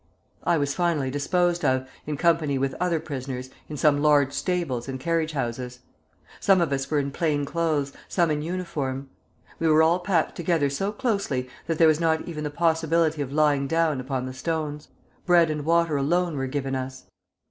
"I was finally disposed of, in company with other prisoners, in some large stables and carriage houses. Some of us were in plain clothes, some in uniform. We were all packed together so closely that there was not even the possibility of lying down upon the stones. Bread and water alone were given us.